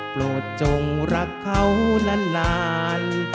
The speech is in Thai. โปรดจงรักเขานาน